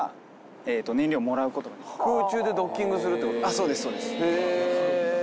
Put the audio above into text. あっそうですそうです。へ。